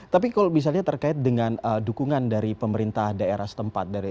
tapi kalau misalnya terkait dengan dukungan dari pemerintah daerah setempat